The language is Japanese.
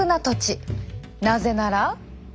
なぜなら。